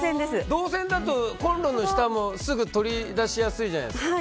動線だとコンロの下も取り出しやすいじゃないですか。